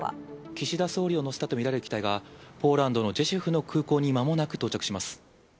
岸田総理を乗せたと見られる機体が、ポーランドのジェシュフの空港にまもなく到着します。